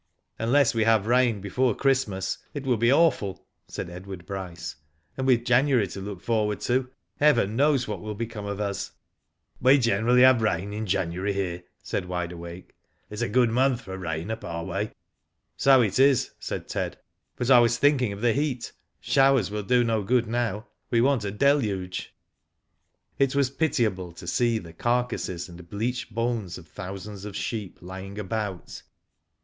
" Unless we have rain before Christmas it will be awful/* said Edward Bryce; "and with January to look forward to, heaven knows what will be come of us." We generally have rain in January here," said Wide Awake. *'It is a good month for rain up our way." So it is," said Ted; "but I was thinking of the heat. Showers will do no good now; we want a deluge. It was pitiable to see the carcasses and bleached bones of thousands of sheep lying about.